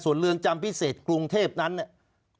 ส่วนเรือนจำพิเศษกรุงเทพนั้นเนี่ย